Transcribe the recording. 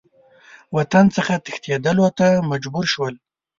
وطن څخه تښتېدلو ته مجبور شول.